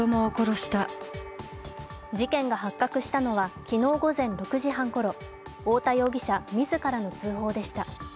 事件が発覚したのは昨日午前６時半ごろ、太田容疑者、自らの通報でした。